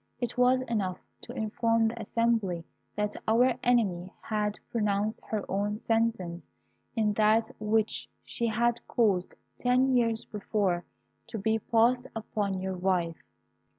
It was enough to inform the assembly that our enemy had pronounced her own sentence in that which she had caused ten years before to be passed upon your wife.